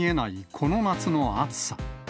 この夏の暑さ。